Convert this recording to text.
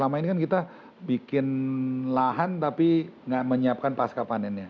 jadi mereka bikin lahan tapi nggak menyiapkan pasca panennya